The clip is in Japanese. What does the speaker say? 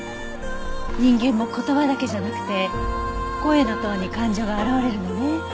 人間も言葉だけじゃなくて声のトーンに感情が表れるのね。